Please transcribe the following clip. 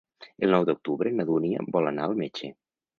El nou d'octubre na Dúnia vol anar al metge.